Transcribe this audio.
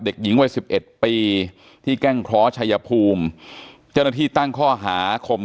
เด็กหญิงวัย๑๑ปีที่แก้งคล้อชายพูมจนที่ตั้งข้อหาข่ม